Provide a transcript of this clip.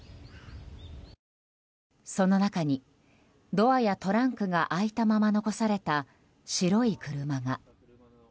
その中にドアやトランクが開いたまま残された白い車が。